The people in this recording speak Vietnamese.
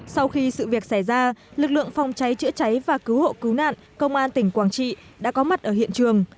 sau khi sự việc xảy ra lực lượng phòng cháy chữa cháy và cứu hộ cứu nạn công an tỉnh quảng trị đã có mặt ở hiện trường